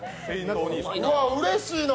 うれしいな。